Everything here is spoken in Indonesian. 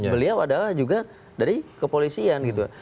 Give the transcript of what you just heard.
beliau adalah juga dari kepolisian gitu